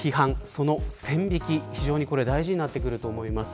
その線引き非常に大事になってくると思います。